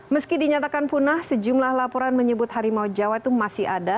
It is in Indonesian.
meski dinyatakan punah sejumlah laporan menyebut harimau jawa itu masih ada